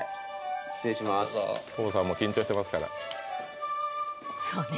失礼しますＫＯＯさんも緊張してますからそうね